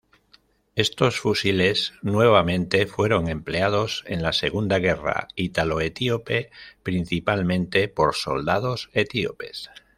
Estos fusiles nuevamente fueron empleados en la Segunda guerra ítalo-etíope, principalmente por soldados etíopes.